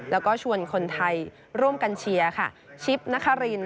และก็ชวนคนไทยร่วมกันเชียร์